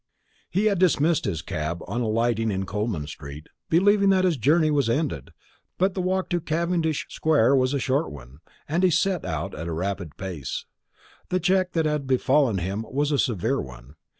He had dismissed his cab on alighting in Coleman street, believing that his journey was ended; but the walk to Cavendish square was a short one, and he set out at a rapid pace. The check that had befallen him was a severe one.